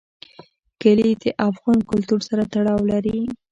کلي د افغان کلتور سره تړاو لري.